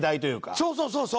そうそうそうそう！